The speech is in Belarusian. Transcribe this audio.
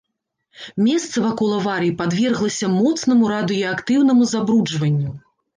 Месца вакол аварыі падверглася моцнаму радыеактыўнаму забруджванню.